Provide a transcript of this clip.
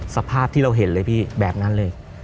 สภาพที่เราเห็นเลยพี่แบบนั้นเลย